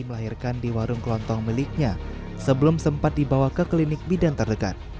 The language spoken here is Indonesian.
melahirkan di warung kelontong miliknya sebelum sempat dibawa ke klinik bidan terdekat